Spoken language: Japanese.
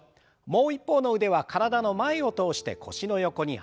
もう一方の腕は体の前を通して腰の横にあてます。